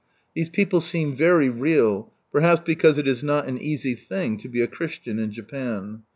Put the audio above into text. These people seem very real, perhaps because it is not an easy thing to be a Christian in Japan.